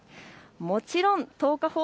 もちろん１０日